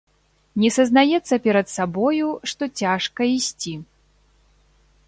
Не сазнаецца перад сабою, што цяжка ісці.